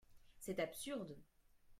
C’est absurde